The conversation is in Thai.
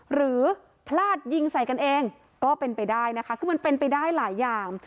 หรือพลาดยิงใส่กันเองก็เป็นไปได้นะคะคือมันเป็นไปได้หลายอย่าง